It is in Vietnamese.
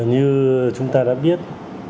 như chúng ta đã biết